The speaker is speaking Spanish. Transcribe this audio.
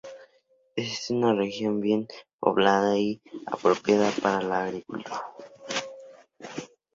Es una región bien poblada y apropiada para la agricultura.